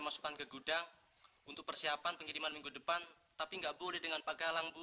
masukkan ke gudang untuk persiapan pengiriman minggu depan tapi nggak boleh dengan pak galang bu